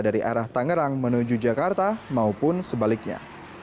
dari arah tangerang menuju jakarta maupun sebaliknya